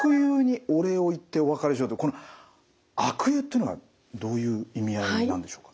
これ悪友ってのはどういう意味合いなんでしょうか。